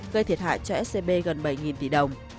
gây thiệt hại cho scb gần bảy tỷ đồng